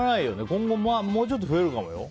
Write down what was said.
今後もうちょっと増えるかもよ。